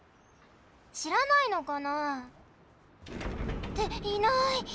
しらないのかな？っていない！